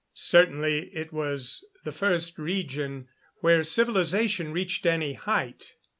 Certainly it was the first region where civilization reached any height.